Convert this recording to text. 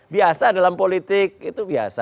biasa dalam politik itu biasa